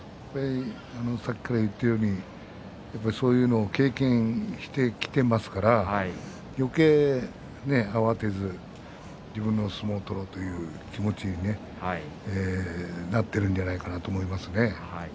先ほどから言っているようにそういうことを経験してきていますのでよけい慌てず自分の相撲を取ろうという気持ちになっていると思います。